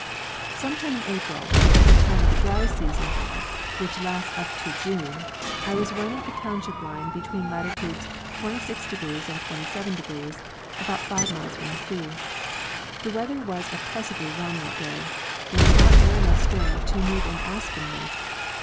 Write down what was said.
Some time in April (the time of the dry season there, which lasts up to June) I was running a township line between latitudes 26° and 27°, about five miles from the sea. The weather was oppressively warm that day. There was not air enough stirring to move an aspen leaf.